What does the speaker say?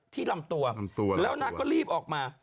ที่ลำตัวแล้วนางก็รีบออกมา